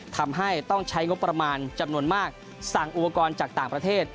ทำให้ต้องใช้งบประมาณจำนวนมากสั่งอุปกรณ์จากต่างประเทศ